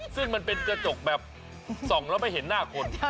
ซึ่งมันเป็นกระจกแบบส่องแล้วไม่เห็นหน้าคน